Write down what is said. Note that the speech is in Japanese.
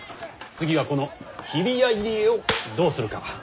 次はこの日比谷入り江をどうするか。